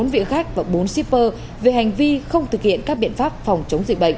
bốn vị khách và bốn shipper về hành vi không thực hiện các biện pháp phòng chống dịch bệnh